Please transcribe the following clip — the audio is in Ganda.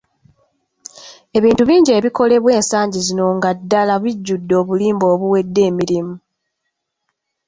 Ebintu bingi ebikolebwa ensangi zino nga ddala bijjudde obulimba obuwedde emirimu.